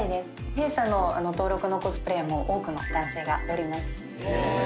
弊社の登録のコスプレイヤーも多くの男性がおります